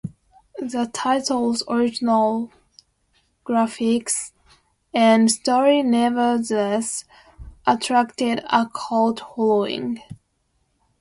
The title's original graphics and story nevertheless attracted a cult following.